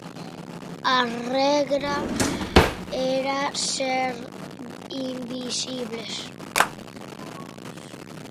A regra era ser invisibles.